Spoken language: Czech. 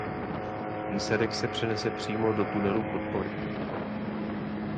Výsadek se přenese přímo do tunelů pod povrchem.